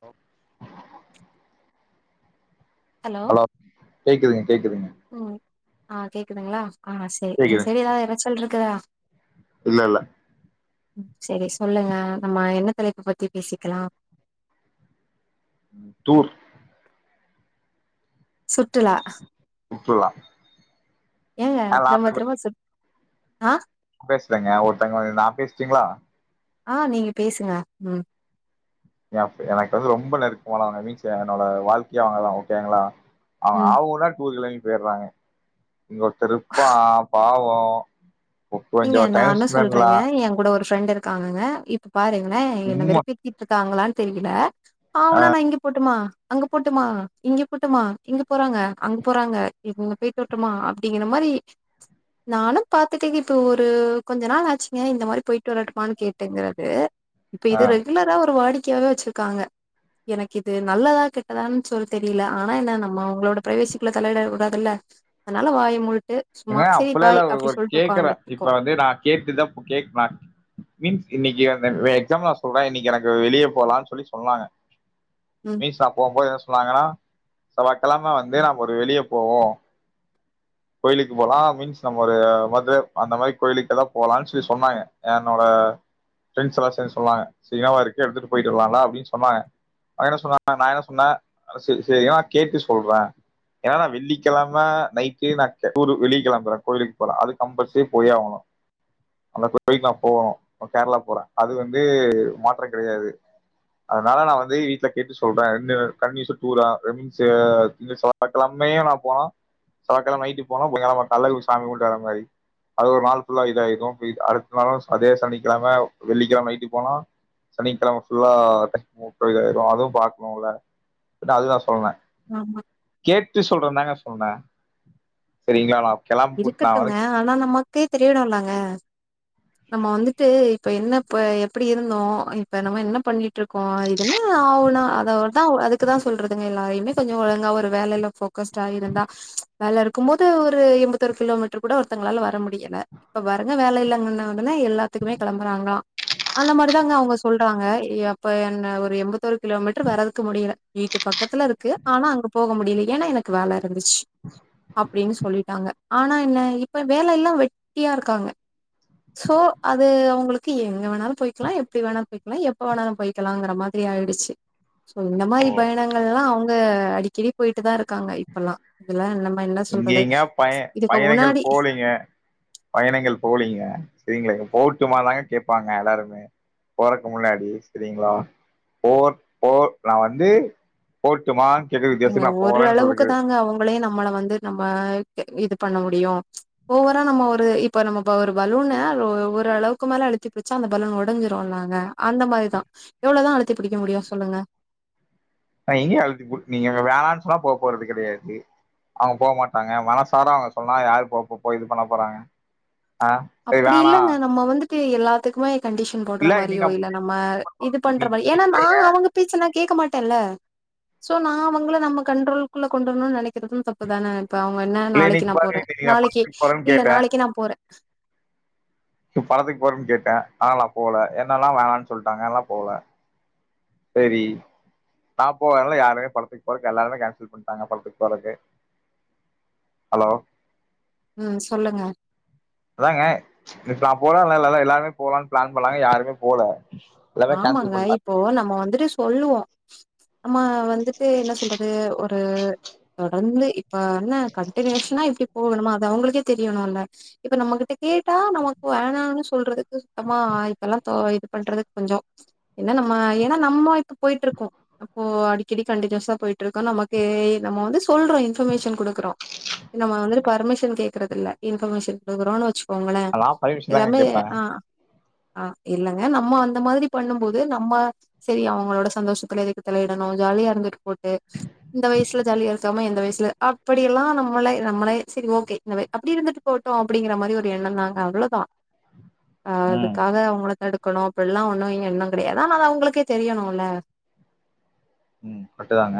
ஓ hello கேக்குதுங்க கேக்குதுங்க ம் ஆ கேக்குதுங்ளா [unintelligible] ஏ கேக்குது சைடு எதாவ்து எரெச்சல் இரு க்கா இல்ல இல்ல சேரி சொல்லுங்க நம்ம என்ன தலைப்பு பத்தி பேசிக்கலா டூர் சுட்டுலா சுற்றுலா ஏங்க திரம்ப திரம்ப சொ ஆ பேசுறங்க ஒருத்தங்க நா பேசட்டுங்களா ஆ நீங்க பேசுங்க ம் ஏ ஃப் எனக்கு வந்து ரொம்ப நெருக்கமானவங்க மீன்ஸ் என்னோட வாழ்க்கையே அவங்கதா ஓகேங்களா அவ்ங் ஆ ம் ஊனா டூர் கெளம்பி பொய்ர்றாங்க இங்க ஒருத்தருப்பா பாவோ கொஞ்சோ நீங்க டைம் நானு ஸ்பெண்ட்லா சொல்றங்க ஏங் கூட ஒரு ஃப்ரெண்டு இருக்காங்கங்க இப் பாருங்களே என்ன சும்மா வெறுப்பேத்திட்ருக்காங்களான் தெரியில ஆ ஊனா நா இங்கெ போட்டுமா அங்க போட்டுமா இங்க போட்டுமா இங்க போறாங்க அங்க போறாங்க இப்ப ங்க பொய்ட்டு வரட்டுமா அப்டிங்கிற மாரி நானு பாத்துட்டே இர் இப்போ ஒரு கொஞ்ச நாள் ஆச்சுங்க இந்த மாரி பொய்ட்டு வரட்டுமான்னு கேட்டுங்க அது இப்ப இது ஆ ரெகுலரா ஒரு வாடிக் கீவோ வச்சிருக்காங்க எனக்கு இது நல்லதா கெட்டதான்னு சொல்ல தெரியல ஆனா என்ன நம்ம அவங்களோட பிரைவேசிக்குள்ள தலையிட கூடதுல்ல அதனால வாய மு ஏ சும்மா ஏங்க சரி அப்பல்லா இல்ல பாய் அப்டி ஒரு சொல்ட்டு கேக்குறே உட்காந்து இப்ப வந்து நான் கேட்டுத கேக்மா மீன்ஸ் இன்னைக்கு அந்த எக்ஸாமவர்ஸ் கூட இன்னைக்கு எனக்கு வெளிய போலான் சொல்லி சொன்னாங்க ம் மீ சாப் [unintelligible] சொன்னாங்கன்னா சவ்வாகெலம வந்து நம்ம ஒரு வெளியே போவோம் கோயிலுக்கு போலாம் மீன்ஸ் நம்ம ஒரு மதுரை அந்த மாரி கோயிலுக்கு எதான் போகலாம்னு சொல்லி சொன்னாங்க என்னோட பிரெண்ட்ஸ் எல்லாம் சேர்ந்து சொன்னாங்க [unintelligible] எடுத்துட்டு போயட்டுலா அப்படின்னு சொன்னாங்க என்ன சொன்னா நான் என்ன சொன்ன கேட்டு சொல்றேன் வெள்ளிக்கிழமை நைட் நான் டூர் வெள கெழம்ப போறேன் கோயிலுக்கு போறேன் அது கம்பல்சரி போயே ஆகணும் அந்த கோயிலுக்கு நான் போகணும் கேரளா போறேன் அது வந்து மாற்றம் கிடையாது அதனால நான் வந்து வீட்ல கேட்டு சொல்றேன் ரெண்டு கண்டினிசா டூரா [unintelligible] திங்க செவ்வா கிழம நான் போனா செவ்வாய்க்கிழமா நைட்டு போனா புதன் கிழமை காலைல சாமி கும்பிட்டு வற மாரி அது ஒரு நாள் ஃபுல்லா இத ஆிடும் இ் அடுத்த நாளும் அதே சனிக்கிழமை வெள்ளிக்கிழமை நைட்டு போனா சனிக்கிழமை ஃபுல்லா தி இதாயிடும் அதுவும் பார்க்கணும்ல அப்படின்னு அது நான் சொன்னேன் ஆஹ் சுத்தி சொல்றன் நாங்க சொல்றேன் சரிங்களா கிளம்பிட்டு நான் இருக்கட்டுங்க வந்து ஆனா நம்ம தெரியுலங்க நம்ம வந்துட்டு இப்ப என்ன எப்படி இருந்தோம் இப்ப நம்ம என்ன பண்ணிட்டு இருக்கோம் இது என்ன ஆகணா அத தான் அதுக்குதான் சொல்றதுங்க எல்லாரையுமே கொஞ்சம் ஒழுங்கா ஒரு வேலைல போ- [unintelligible] வேலை இருக்கும் போது ஒரு எண்பத்த- த்த கிலோமீட்டர் கூட ஒருத்தங்களால வர முடியல இப்ப பாருங்க வேலை இல்லங்கன்ன உடனே எல்லாத்துக்குமே கிளம்புறாங்களாம் அந்த மாதிரிதான்ங்க அவங்க சொல்றாங்க அப்ப என் ஒரு எண்பத்தரு கிலோமீட்டர் வர்றதுக்கு முடியல வீட்டு பக்கம் பக்கத்துல இருக்கு ஆனா அங்க போக முடியல ஏன்னா எனக்கு [unintelligible] இருந்துச்சு அப்படின்னு சொல்லிட்டாங்க ஆனா என்ன இப்ப வேலை எல்லாம் வெட்டியா இருக்காங்க சோ அது அவங்களுக்கு எங்க வேணாலும் போய்கக்கலாம் எப்படி வேணாலும் போயக்கலாம் எப்ப வேணாலும் போய்க்கலாங்கிற மாதிரி ஆயிடுச்சு சோ இந்த மாதிரி பயணங்கள் எல்லாம் அவங்க அடிக்கடி போயிட்டு தான் இருக்காங்க இப்பெல்லாம் இதெல்லாம்- என்ன இங்க சொல்றது எங்கயா இதுக்கு பயணங்கள் முன்னாடி போலீங்க பயணங்கள் போலீங்க சரிங்களே போவூட்டுமா தாங்க கேட்பாங்க எல்லாருமே போறக்கு முன்னாடி சரிங்களா போர் போர் நான் வந்து போட்டுமா இங்க ஒரு அளவுக்கு தாங்க அவங்களையும் நம்மள வந்து நம்ம இது பண்ண முடியும் ஒவரா நம்ம ஒரு இப்ப நம்ம ஒரு பலூன் ஒருரளவுக்கு மேல அழுத்தி பிடிச்சா அந்த பலூன் உடைஞ்சிரோம் நாங்க அந்த மாதிரிதான் எவ்வளவுதான் அழுத்தி பிடிக்க முடியும் சொல்லுங்க இங்கே அழுத்தி நீங்க எங்க வேணாம்னு சொன்னா போக போறது கிடையாது அவங்க போக மாட்டாங்க மனசாரும் அவங்க சொன்னா யாரு போ போ இது பண்ண போறாங்க ஆ சரி அப்படி வேணா இல்லங்க நம்ம வந்து எல்லாத்துக்குமே கண்டிஷன் போட்ற இல்ல இன்னைக்கு மாரியோ நா இல்ல நம்ம இது பண்ற மாரி ஏன்னா இல்லைங்க நான் அவங்க பேச்சுலாம் கேட்க மாட்டேன் ல்ல சோ நா அவங்களளை நம்ம கண்ட்ரோலக்குள்ள கொண்டு வரணும்னு நினைக் குரதும் தப்புதான இப்ப அவங்க என்ன இல்ல நாளைக்கு இன்னைக்கு நா பாருங்க போற இன்னைக்கு நா நாளைக்கு படத்துக்கு போறேன்னு இல்ல கேட்டே நாளைக்கு நான் போற படத்துக்கு போறேன்னு கேட்ட ஆன நா போல என்னல்லா வேணாம்னு சொல்லிட்டாங்க அன்னலா போல சரி நா போகாதனால யாருமே படத்துக்கு போறக்கு எல்லாருமே கேன்சல் பண்ணிட்டாங்க படத்துக்கு போறக்கு ஹலோ ம் சொல்லுங்க அதாங்க இப்ப நா போலனால எல்லாருமே போகலாம்னு பிளான் பண்ணலாங்க யாருமே போல எல்லாமே கேன்சல் ஆமாங்க பண்ட்டாங்க இப்போ நம்ம வந்துட்டு சொல்லுவோ ஆமா வந்துட்டு என்ன சொல்றது ஒரு ஆ தொடர்ந்து [inaudible] [inaudible] [inaudible] ஆ என்ன கண்டினியூஷனா இப்டி போகணுமா அத அவங்களுக்கே தெரியணும்ல்ல இப்ப நம்மகிட்ட கேட்டா நமக்கு வேணாம்னு சொல்றதுக்கு சுத்தமா இப்பல்லா தோ இது பண்றதுக்கு கொஞ்சோ என்ன நம்ம ஏன்னா நம்ம இப்ப போயிட்டு இருக்கு அப்போ அடிக்கடி கண்ட்டினுயூஸா போய்ட்டு இருக்கோ. நமக்கு நம்ம வந்து சொல்றோ இன்ஃபர்மேஷன் குடுக்கறோ நம்ம வந்து பர்மிஷன் கேடக்கறதில்ல இன்ஃபர்மேஷன் அதுக் ஒரு ஆள வெச்சு போங்களே நா பர்மிஷன் தாங்க எல்லாமே கேப்பே ஆ ஆஹ் இல்லங்க நம்ம வந் இந்த மாதிரி பண்ணும் போது நம்ம சரி அவங்களோட சந்தோஷத்துல எதுக்கு தலையிடணு ஜாலியா இருந்துட்டு போட்டு இந்த வயசுல ஜாலியா இருக்காம எந்த வயசுல அப்படி எல்லா நம்மள நம்மளே சரி ஓகே இந்த அப்படி இருந்துட்டு போட்டோ அப்படிங்கற மாதிரி ஒரு எண்ணந்தாங்க அவ்ளோதா ஆ ம் அதுக்காக அவங்க தடுக் கனு இப்படிலா ஒண்ணு எண்னோ கெடையாது ஆனா அது அவங்களுக்கே தெரியணுமல்ல ம் கரெக்ட்டுதாங்க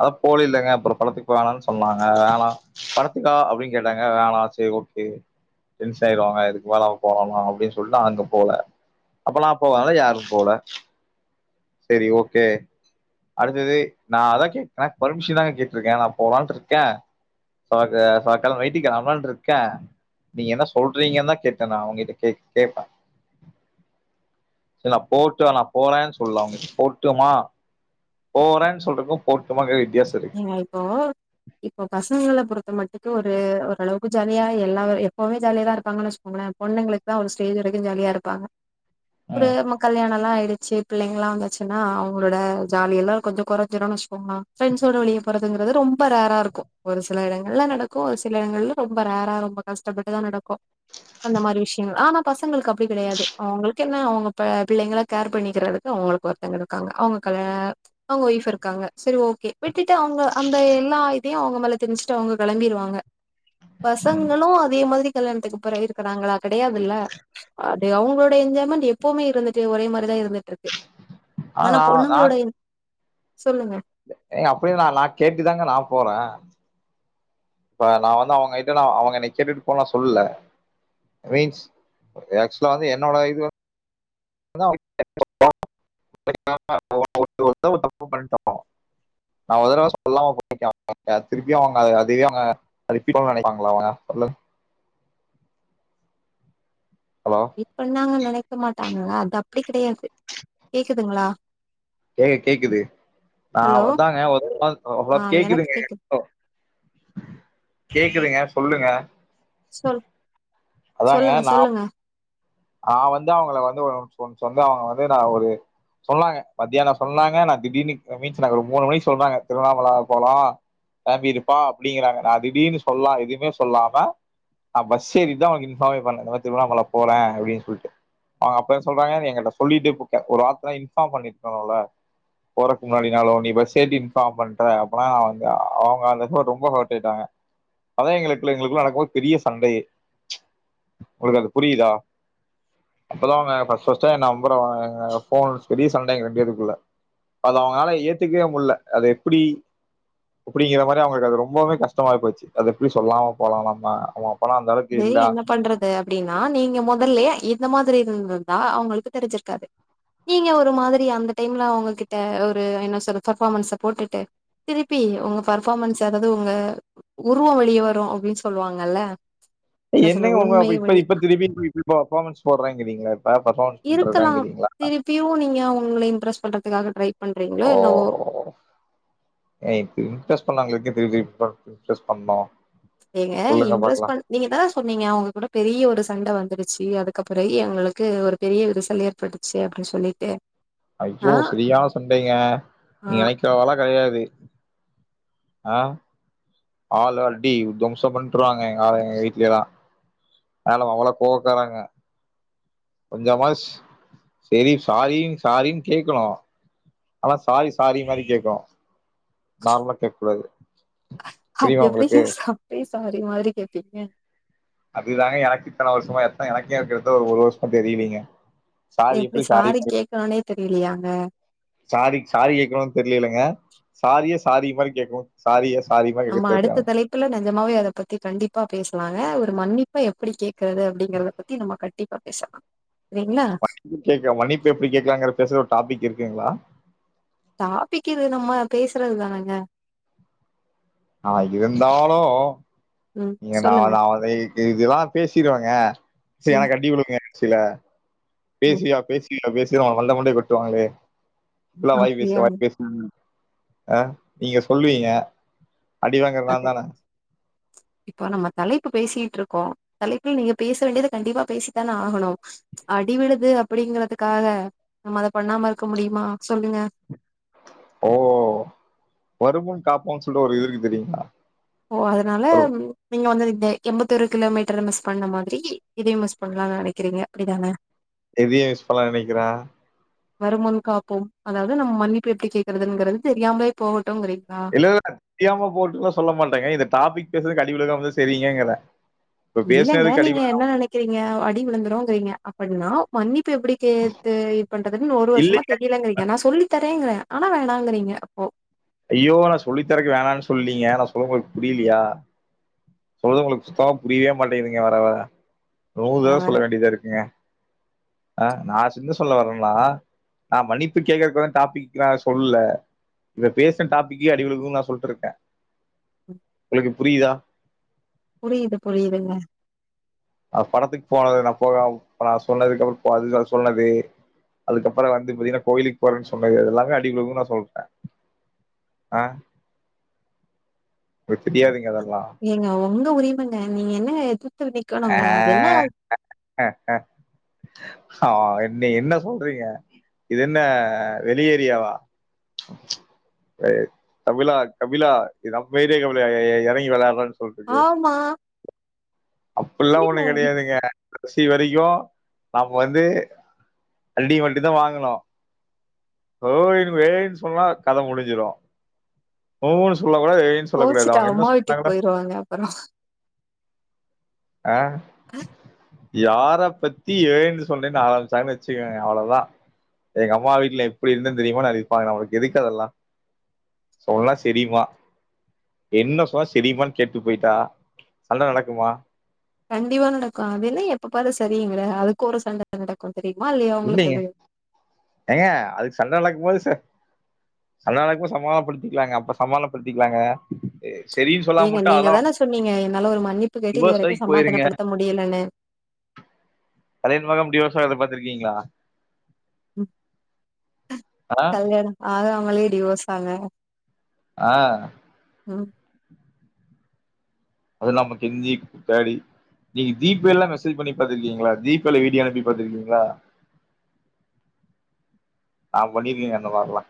அத போல இல்லைங்க அப்புறம் படத்துக்கு வேணாம்னு சொன்னாங்க வேணாம் படத்துக்கா அப்படின்னு கேட்டாங்க வேணா சரி ஓகே டென்ஷன் ஆய்டுவாங்க இதுக்கு மேல போலாமா அப்படின்னு சொல்லிட்டு நா அங்க போல அப்ப நான் போவதால யாரும் போல சரி ஓகே அடுத்தது நா அதா கேக்கற பர்மிஷன்தா கேட்டுருக்க நான் போலான்ட்டு இருக்க ச சாக்கால வெயிட்டிக்குலனள்ட்டு இருக்க நீங்க என்ன சொல்றீங்கன்னு தா கேட்ட நா அவங்ககிட்ட கே கேட்ப ச போட்டு நா போறேன்னு சொல்லல அவங்க போட்டுமா போறேன்னு சொல்றதுக்கு போட்டுமா கே ஏங்க இப்போ இப்போ பசங்கள பொறுத்த மட் க்கு ஒரு ஓரளவுக்கு ஜாலியா எல்லா எப்பவுமே ஜாலிய தா இருப்பாங்கன்னு வச்சுக்கோங்களே பொண்ணுங்களுக்கு தா ஒரு ஸ்டேஜ் வரைக்கு ஜாலியா இருப்பாங்க ஒரு ம் மக் கல்யாண எல்லா ஆயிடு சரி பிள்ளைங்கலா வந்தாச்சுனா அவங்களோட ஜாலி எல்லா கொஞ்சோ குறைஞ்சிடும்னு வச்சுக்கோங்க ஃபரண்டஸ் ரோடு வழியா போறதுங்கறது ரொம்ப ரேரா இருக்கு ஒரு சில இடங்கள்ல நடக்கு ஒரு சில இடங்கள் ரொம்ப ரேரா ரொம்ப கஷ்டப்பட்டுதா நடக்கு அந்த மாரி விஷயங்கள் ஆனா பசங்களுக்கு அப்படி கெடையாது அவங்களுக்கு என்ன அவங்க பி பிள்ளைங்கள கேர் பண்ணிக்கிறதுக்கு அவங்களுக்கு ஒருத்தங்க இருக்காங்க அவங்க கல் அவங்க ஒய்ஃப் இருக்காங்க சரி ஓகே கிட்ட அவங்க அ எல்லா ஆ ப்டியே அவங்க மேல திணிச்சுட்டு அவங்க கெளம்பிடுவாங்க ம் பசங்களு அதே மாதிரி கல்யாணத்துக்கு அப்பற இருக்கறாங்களா கிடையாதுல்ல அது அவங்களோட என்ஜாய்மெண்ட் எப்பவுமே இருந்துட்டு ஒரே மாதிரிதா இருந்துட்டு இருக்கு ஆ ஆனா பொண்ணுங்களோட என் சொல்லுங்க ஏ அப்படிலா நா நா கேட்டுதாங்க நா போற இப்ப நா வந்து அவுங்க கிட்ட நா அவுங்க என்னை கேட்டுட்டு போனு நா சொல்லல மீன்ஸ் ஆக்சுவலா வந்து என்னோட இது வந்து [inaudible] நான் ஒரு தடவை சொல்லாம [inaudible] திருப்பியும் அவுங்க அதே அவங்க ரிப்பீட் பண்ணனும்னு நினைப்பாங்களா அவங்க சொல்லுங்க ஹலோ இப்பனாங்க நினைக்க மாட்டாங்களா அது அப்படி கிடையாது கேக்குதுங்களா ஏ கேக்குது ஆ ஹலோ அதாங்க [inaudible] ஹலோ ஆ எனக்கு கேக்குதுங்க கேக்குது கேக்குதுங்க சொல்லுங்க சொல் அதாங்க சொல்லுங்க நா சொல்லுங்க நா வந்து அவுங்ள வந்து சொன்னே அவுங்க வந்து நா ஒரு சொன்னாங்க மத்யானோ சொன்னாங்க நா திடீர்னு மீன்ஸ்ல ஒரு மூணு மணிக் சொல்றாங்க திருவண்ணாமல போலா கெலம்பிருப்பா அப்டிங்கறாங்க நா திடீர்னு சொல்லா எதுவுமே சொல்லாம நா பஸ் சேறிட்தா அவளுக்கு இன்ஃபாமே பண்ண இந்த மாரி திருவண்ணாமல போற அப்டின் சொல்ட்டு அ அப்பறோ சொல்றாங்க நீ எங்கிட்ட சொல்லிட்டே கூப்ட ஒருவார்த்த இன்ஃபாம் பண்ணிருக்கனுல்ல போறக்கு முன்னாடினாலு நீ பஸ்யேறி நீ இன்ஃபம் பண்ட்ட அப்னா நா வ அவுங்க அந்த ரொம்ப ஹேட்டாயிட்டாங்க அத எங்ளுக் எங்ளுக்குள்ள நடக்கு பெரிய சண்டயே உங்ளுக்கது புரியிதா அப்பதா அவ்ங்க ஃபஸ்ட் ஃபஸ்ட்டா என் நம்பர வாங்குனாங்க போன் பெரிய சண்ட எங்க ரெண்டு பேத்துக்குள்ள அது அவ்ங்களால ஏத்துகவே முடில அது எப்புடி அப்புடிங்கிற மாரி அவுங்களுக் அது ரொம்பமே கஷ்டமாய் போச்சி அது எப்டி சொல்லாம போலா நம்ம அமா அது என்ன பண்றது அப்டினா நீங்க மொத் மொதல்லயே இந்த மாதிரி இருந்தந்தா அவுங்ளுக்கு தெரிஞ்சிருக்காது நீங்க ஒரு மாதிரி அந்த டைம்ல அவங்க கிட்ட ஒரு என்ன சொல்றது பர்ஃபாமன்ஸ போட்டுட்டு திருப்பி உங்க பர்ஃபாமன்ஸ அதாது உங்க உருவோ வெளிய வரு அப்டின் சொல்வாங்கல என்னங்க உங்க இப்ப இப்ப திருப்பி இப்ப பெஃபாமன்ஸ் போடுறங்கிறீங்கல பே இருக்கலா திருப்பியு நீங்க உங்கள இம்ப்ரஸ் பண்றதுக்காக ட்ரை பண்றீங்களோ ஓ என்ன இம்ப்ரஸ் பண்ணவெங்களுக்கே தெரிஞ்ச் இம்ப்ரஸ் பண்ணோ ஏங்க இம்ப்ரஸ் பண் நீங்கதா சொன்னீங்க அவுங்க கூட பெரிய ஒரு சண்ட வந் வந்துருச்சி அதுக்கப்புறோ எங்களுக்கு ஒரு பெரிய விரிசல் ஏற்பட்டுச்சி அப்படின் சொல்லிட்டு ஐயோ ஆ செரியான சண்டைங்க ஆ நீ நெனக்கிற வள கெடையாது ஆஹ் ஆளு அடி தொமுசோ பண்ட்டுருவாங்க எ எங்க வீட்லலா மேல அவளோ கோவக்காரங்க கொஞ்சமா செரி சாரின் சாரினு கேக்கணு ஆனா சாரி சாரி மாரி கேக்கனு நார்மலா கேக்க கூடாது அது எப்டிங்க சப்பே சாரி மாரி கேப்பீங்க அதுதாங்க எனக்கு இத்தன வர்ஷமா எத்தன எனக்கே அது ஒரு வர்ஷமா தெரீலீங்க எப்டி சாரி கேக்கனுனே தெரியிலயாங்க சாரி சாரி கேட்கணு தெரியலங்க சாரிய சாரி மாரி கேக்கணு சாரிய சாரி மாரி நம்மா கேட்க தெரியல அடுத்த தலைப்புல நெஜமாவே அத பத்தி கண்டிப்பா பேஸ்லாங்க ஒரு மன்னிப் பு எப்டி கேக் கருது அப்டிங்கறத பத்தி நம்ம கட் டீப்பா பேசலா சரிங்களா மன்னிப் கே மணிப் எப்டி கேட்கலாங்ற பேசுற ஒரு டாப்பிக் இருக்குங்ளா டாப்பிக்கிது நம்ம பேசறதுதானங்க ஆஹ் இருந்தாளூ ம் இங்க நா சொல்லுங்க நா இதுல்லா பேசிருவங்க செரி என ம் கட்டி விடுங்க சில ம் பேசிவியா பேசிவியா பேஸ் வல்ல மண்டய கொட்டுவாங்ளே இப்லா வாய் பேசு அப்டியா வாய் பேசு அஹ் நீங்க சொல்லுவீங்க அடிவாங்ற நா அது தான இப்போ நம்ம தலைப்பு பேசிட்டு இருக்கோம் தலைப்புல நீங்க பேச வேண்டியதை கண்டிப்பா பேசித்தானே ஆகணும் அடிவிடுது அப்டிங்கறதுக்காக நம்ம அத பண்ணாம இருக்க முடியுமா சொல்லுங்க. ஓ வருமுன் காப்போம்னு சொல்லிட்டு ஒரு இதுக்கு தெரியுங்ளா ஓ அதனால நீங்க வந்து இந்த எண்பத் ஒரு கிலோமீட்டர் மிஸ் பண்ண மாதிரி இதையும் மிஸ் பண்ணலாம்னு நினைக்கிறீங்க அப்டிதானே. எதையும் விஸ் பண்ல நினைக்கிறா வருமுன் காப்போம் அதாவது நம்ம மன்னிப்பு எப்டி கேக்குறதுங்கிறது தெரியாமலே போக இல்ல இல்ல தெரியாம போட்டும் சொல்ல மாட்டேங்க இந்த டாபிக் பேசுது க அடி விழுகாமாஇருந்தா சரியீங்கங்கிற இல்லங்க நீங்க என்ன நினைக்கிறீங்க அடி விழுந்திருங்கிறீங்க அப்பனா மன்னி ப்பு எப்டி கேத்து இப்பண்றதுன்னு ஒரு வருஷமா இல்லைங்க. தெரியலங்கிறீங்க நான் சொல்லி தரேங்கிறேன். ஆனா வேணாங்கறீங்க அப்போ ஐயோ நான் சொல்லி தரக்கு வேணானு சொல்லீங்க நான் சொல்லபோது புரிலையா. சொல்றது உங்களுக்கு சுத்தமா புரியவே மாட்டேங்கதுங்க வர வர ஒவ்வொரு தடவ பரவால்ல சொல்ல வேண்டியதா இருக்குங்க. அஹ் நான் சின்ன சொல்ல வரேன்னா நான் மன்னிப்பு கேக்றக்கு டாபிக் நான் சொல்லல இப்ப பேசுன டாபிக்கே அடி விழுகுன் நான் சொல்ட்டு இருக்கே [unintelligible] புரியுதா. புரியுது புரியுதுங்க. அ படத்துக்கு போனது நான் போக நான் சொன்னதுக்குப்புறம் போ அது சொன்னது அதுக்கப்புறம் வந்து பாத்தீன்னா கோயிலுக்கு போறேன்னு சொன்னது எல்லாமே அடி விழும் நான் சொல்றேன் ஆஹ் தெரியாதுங்க அதெல்ல நீங்க உங்க உரிமைங்க நீங்க என்னங்க த்து ஆ நிக்கணுங்க அது என்ன ஆ என் என்ன சொல்றீங்க இது என்ன வெளி ஏரியாவா கபிலா கபிலா இது நம்ம ஏரியா கபிலா இறங்கி விளையாடுறா ஆமா. அப்ட்ல்லாம் ஒண்ணு இல்லைங்க இப் கிடையாதுங்க. கடைசி வரைக்கும் நம்ம வந்து அடி மட்டும் தான் வாங்கணும் ஓய் ஏய் சொன்னா கதை முடிஞ்சிடும் ம்ம் ய் சொல்ல கூடாது ஏய் சொல்லக் கூடாது கோவிச்சுட்டு அவங்க என்ன அம்மா வீட்டுக்கு சொன்னாங்க போயிருவாங்க அப்புறம். ஆஹ். யார பத்தி ஏன்னு சொல்றேன்னு ஆரம்பிச்சாங்கன்னு வச்சுக்கங்க அவ்வளவுதா எங்க அம்மா வீட்டுல எப்டி இருந்தேன்னு தெரியுமா நா இருப்பாங்க அவளுக்கு எதுக்கதல்ல சொன்னலா செரியுமா என்ன சொன்னா செரியுமான்னு கேட்டு போயிட்டா சண்டை நடக்குமா. கண்டிப்பா நடக்கு அதுனா எப்ப பாரு செரிங்கற அதுக்கு ஒரு சண்ட நடக்கு. இல்லலைங்க ஏங்க அதுக்கு சண்டை நடக்கும்போது சார் சண்டா நடக்கும்போது சமாதானப்படுத்திக்கலா அப்ப சமாதானப்படுத்திக்கலாங்க செரின்னு சொல்லாம ஏங்க வுட்டா நீங்க அதெல்லா தானே சொன்னீங்க என்னால ஒரு மன்னிப்பு கேட்டு டிவோர்ஸ் இதுவரைக்கு வரைக்கு போயிருங்க சமாதானப்படுத்த முடியலன்னு. கல்யாணமாகம டிவோர்ஸ் ஆறத பாத்திருக்கீங்களா. ம் ஆ கல்யாணம் ஆகாம மொதல்லியே டிவோஸ்சாங்க ஆங் ம் அது நமக் கெஞ்சி [unintelligible] நீங்க ஜீ பே ல எல்லா மெசேஜ் பண்ணி பாத்துருக்கீங்களா ஜீ பே ல வீடியோ அனுப்பி பாத்திருக்கீங்களா நா பண்ணிருகேங்க அந்த மாதிரில்லா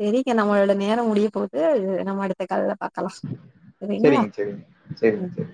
சரிங்க நம்மளோட நேரம் முடிய போகுது நம்ம அடுத்த கால்ல பா செரிங்க செரிங்க ம். செரிங்க செரி